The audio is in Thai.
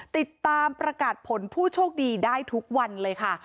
ติดตามประกาศผลผู้โชคดีได้ทุกวันเลยค่ะ